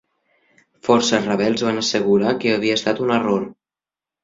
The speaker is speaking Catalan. Forces rebels van assegurar que havia estat un error.